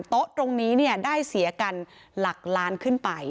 โต๊ะตรงนี้ได้เสียกันหลักล้านขึ้นไป